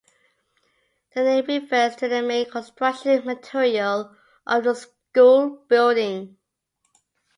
The name refers to the main construction material of the school building.